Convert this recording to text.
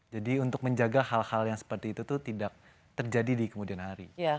jadi untuk menjaga hal hal yang seperti itu tuh tidak terjadi di kemudian hari